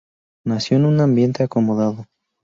Nació en un ambiente acomodado.